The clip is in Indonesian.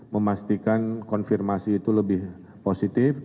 memastikan konfirmasi itu lebih positif